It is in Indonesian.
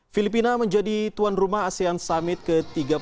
filipina menjadi tuan rumah asean summit ke tiga puluh dua